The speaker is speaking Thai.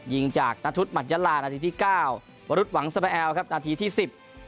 ยิงจากนัทธุหมัดยาลานาทีที่เก้าวรุษหวังสมแอลครับนาทีที่สิบ